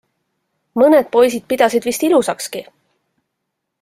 Mõned poisid pidasid vist ilusakski.